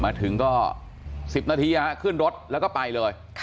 มาถึงก็๑๐นาทีขึ้นรถแล้วก็ไปเลย